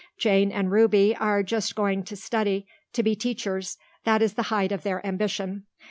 Jane and Ruby are just going to study to be teachers. That is the height of their ambition.